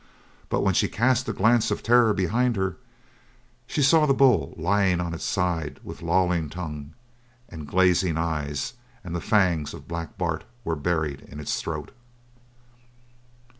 But when she cast a glance of terror behind her she saw the bull lying on its side with lolling tongue and glazing eyes and the fangs of Black Dart were buried in its throat.